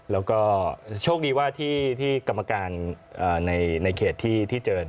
แล้วก็โชคดีว่าที่กรรมการในเขตที่เจอ